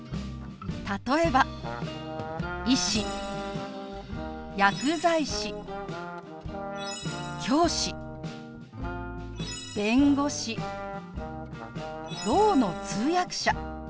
例えば「医師」「薬剤師」「教師」「弁護士」「ろうの通訳者」